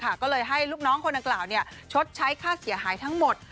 ทุกอย่างค่ะก็เลยให้ลูกน้องคนกล่าวเนี่ยชดใช้ค่าเสียหายทั้งหมด